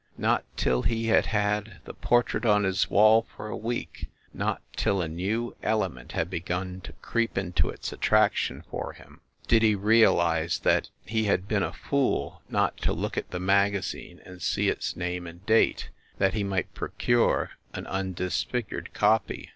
Not till he had had the portrait on his wall for a week, not till a new ele ment had begun to creep into its attraction for him, did he realize that he had been a fool not to look at the magazine and see its name and date, that he might procure an undisfigured copy.